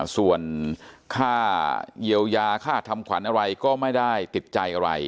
ส่วนค่าเยียวยาค่าทำขวัญอะไรก็ไม่ได้ติดใจอะไร